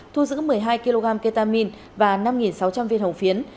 thu giữ một mươi hai kg ketamine và năm sáu trăm linh viên hồng phiến